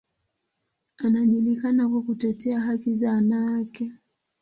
Anajulikana kwa kutetea haki za wanawake.